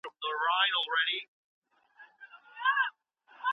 د درملو کیفیت څنګه کنټرولیږي؟